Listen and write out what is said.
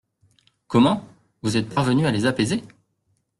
Comment ! vous êtes parvenue à les apaiser ?